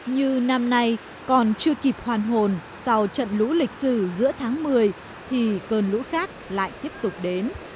như năm nay còn chưa kịp hoàn hồn sau trận lũ lịch sử giữa tháng một mươi thì cơn lũ khác lại tiếp tục đến